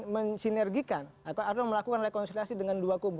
mensinergikan atau melakukan rekonsiliasi dengan dua kubu